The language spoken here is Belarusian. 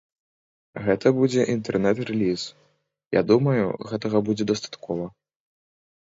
Гэта будзе інтэрнэт-рэліз, я думаю, гэтага будзе дастаткова.